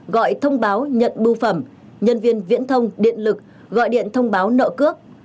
gọi thông báo nhận bưu phẩm nhân viên viễn thông điện lực gọi điện thông báo nợ cước